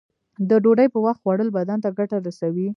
د ډوډۍ په وخت خوړل بدن ته ګټه رسوی.